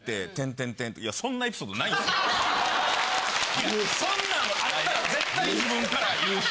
いやそんなんあったら絶対自分から言うし。